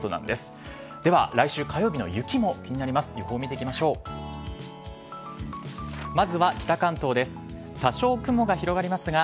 では来週火曜日の雪も気になります。